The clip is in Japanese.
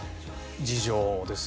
事情ですか。